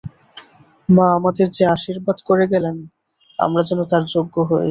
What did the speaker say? মা আমাদের যে আশীর্বাদ করে গেলেন আমরা যেন তার যোগ্য হই।